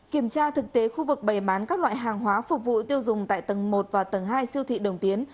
kiểm tra thực tế khu vực bày bán các loại hàng hóa phục vụ tiêu dùng tại tầng một và tầng hai siêu thị đồng tiến